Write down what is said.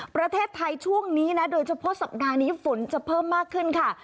ประเทศไทยช่วงนี้นะโดยเฉพาะสัปดาห์นี้ฝนจะเพิ่มมากขึ้นค่ะ